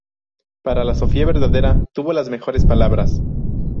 Para la Sofía verdadera tuvo las mejores palabras.